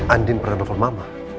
andin pernah telepon mama